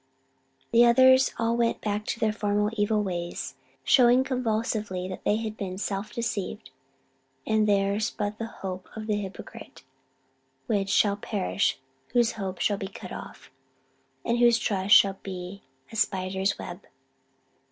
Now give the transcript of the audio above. "The others all went back to their former evil ways, showing conclusively that they had been self deceived and theirs but the hope of the hypocrite which 'shall perish: whose hope shall be cut off, and whose trust shall be a spider's web.'